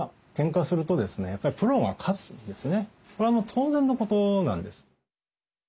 これはもう当然のことなんです。